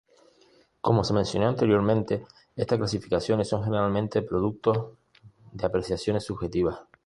Como se mencionó anteriormente, estas clasificaciones son generalmente productos de apreciaciones subjetivas.